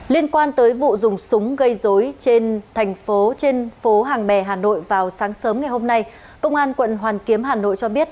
liên quan tới vụ dùng súng gây dối trên phố hàng bè hà nội vào sáng sớm ngày hôm nay công an quận hoàn kiếm hà nội cho biết